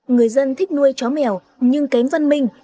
người dân thích nuôi chó mèo nhưng kém văn minh